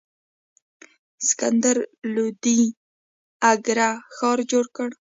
سکندر لودي اګره ښار جوړ کړ.